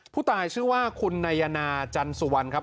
ผู้ตายชื่อว่าคุณนายนาจันสุวรรณครับ